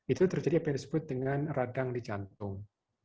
itu terjadi apa yang disebut dengan radang di jantung